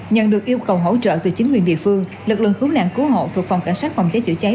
nhận được yêu cầu hỗ trợ từ chính quyền địa phương lực lượng cứu nạn cứu hộ thuộc phòng cảnh sát phòng cháy chữa cháy